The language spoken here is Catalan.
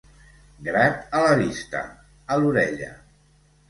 Grat a la vista, a l'orella.